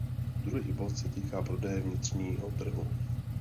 Druhý bod se týká prodeje vnitřního trhu.